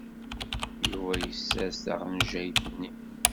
Yuba yessers taɣenjayt-nni.